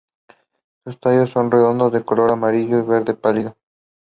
The quartet performs two concert series of its own.